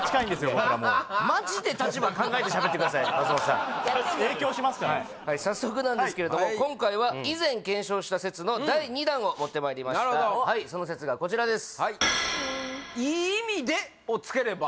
僕らもう松本さん影響しますから早速なんですけれども今回は以前検証した説の第２弾を持ってまいりましたなるほどはいその説がこちらです